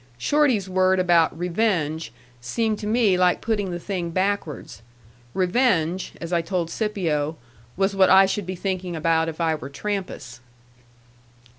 Shorty's word about "revenge" seemed to me like putting the thing backwards. Revenge, as I told Scipio, was what I should be thinking about if I were Trampas.